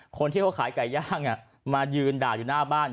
คนที่เขาขายไก่ย่างมายืนด่าอยู่หน้าบ้าน